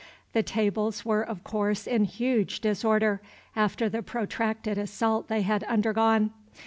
The tables were of course in huge disorder, after the protracted assault they had undergone.